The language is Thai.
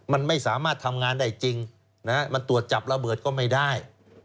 มันไม่สามารถทำงานได้จริงมันตรวจจับระเบิดก็ไม่ได้